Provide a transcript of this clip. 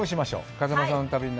風間さんの旅。